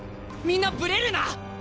みんなブレるな！